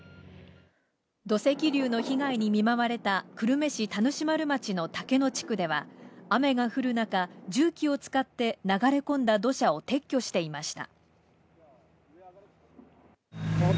土石流の被害に見舞われた久留米市田主丸町の竹野地区では雨が降る中、重機を使って、流れ込んだ土砂を撤去していました。